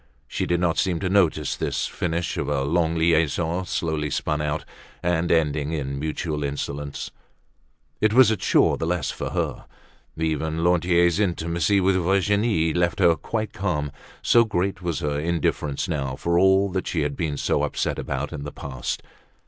She did not seem to notice this finish of a long liaison slowly spun out, and ending in mutual insolence. It was a chore the less for her. Even Lantier's intimacy with Virginie left her quite calm, so great was her indifference now for all that she had been so upset about in the past.